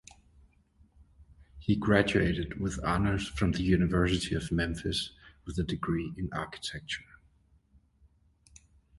He graduated with honors from the University of Memphis with a degree in Architecture.